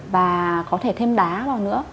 và có thể thêm đá